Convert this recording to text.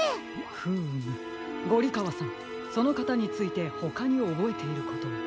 フームゴリかわさんそのかたについてほかにおぼえていることは？